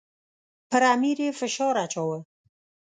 پر امیر یې فشار اچاوه.